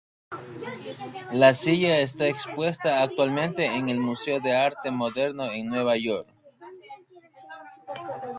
La silla está expuesta actualmente en el Museo de Arte Moderno en Nueva York.